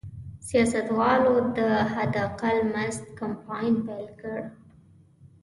سیاستوالو د حداقل مزد کمپاین پیل کړ.